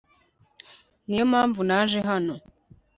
niyo mpamvu naje hano